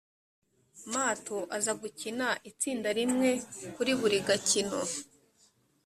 mato aza gukina itsinda rimwe kuri buri gakino